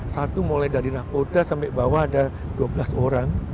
satu mulai dari nakoda sampai bawah ada dua belas orang